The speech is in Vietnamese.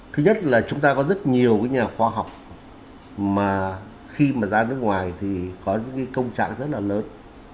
thứ nhất là chúng ta có rất nhiều nhà khoa học mà khi mà ra nước ngoài thì có những công trạng rất là lớn